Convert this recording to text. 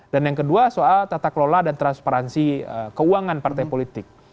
dan yang kedua soal tata kelola dan transparansi keuangan partai politik